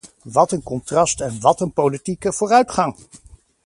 Wat een contrast en wat een politieke vooruitgang!